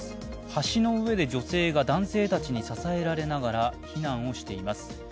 橋の上で女性が男性たちに支えられながら避難をしています。